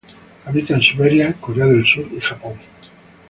Habita en Siberia, Corea del Sur y Japón.